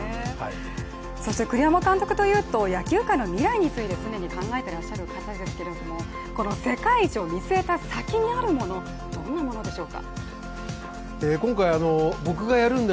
栗山監督というと野球界の未来についても常に考えていらっしゃる方ですけれどもこの世界一を見据えた先にあるものいいものでしょうか？